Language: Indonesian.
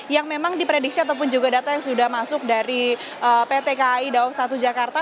yang memang diprediksi ataupun juga data yang sudah masuk dari pt kai dawab satu jakarta